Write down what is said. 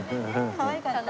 かわいかったわよ。